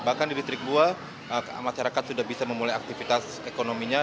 bahkan di distrik bua masyarakat sudah bisa memulai aktivitas ekonominya